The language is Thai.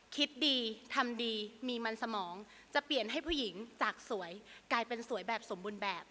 คิดดีทำดีมีมันสมองจะเปลี่ยนให้ผู้หญิงจากสวยกลายเป็นสวยแบบสมบูรณ์แบบ